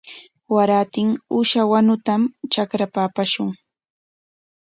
Warantin uusha wanutam trakrapa apashun.